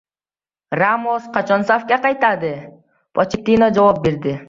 Ramos qachon safga qaytadi? Pochettino javob berdi